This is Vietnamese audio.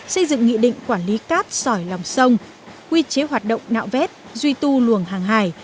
xây dựng nghị định quản lý cát sỏi lòng sông quy chế hoạt động nạo vét duy tu luồng hàng hải